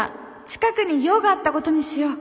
近くに用があったことにしよう。